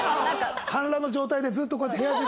半裸の状態でずっとこうやって部屋中。